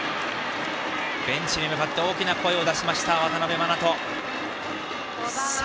ベンチに向かって大きな声を出した渡辺眞翔。